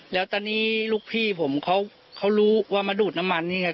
แล้วตอนนี้ลูกพี่ผมเขารู้ว่ามาดูดน้ำมันนี่ไง